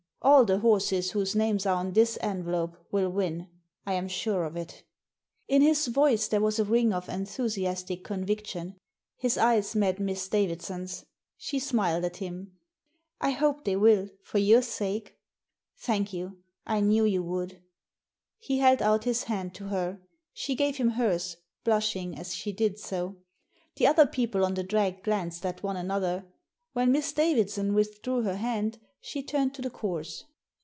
All the horses whose names are on this envelope will win. I am sure of it" In his voice there was a ring of enthusiastic con viction. His oyes met Miss Davidson's. She smiled at him. " I hope they will, for your sake." " Thank you. I knew you would." He held out his hand to her. She gave him hers, blushing as she did so. The other people on the drag glanced at one another. When Miss Davidson withdrew her hand she turned to the course.